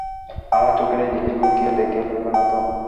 আমার চোখের এই জিনিসগুলো কেউ দেখে ফেলবে না তো?